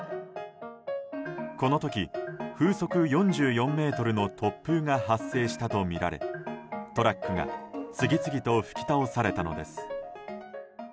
この時、風速４４メートルの突風が発生したとみられトラックが次々と吹き倒されたのです。